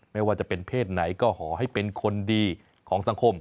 ไม่ว่าจะเป็นเพศไหนก็ขอให้เป็นคนดีของสังคม